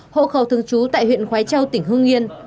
hỗ khẩu thương chú tại huyện khói châu tỉnh hương yên